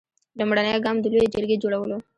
لومړنی ګام د لویې جرګې جوړول و.